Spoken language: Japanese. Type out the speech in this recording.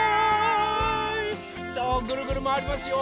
さあぐるぐるまわりますよ。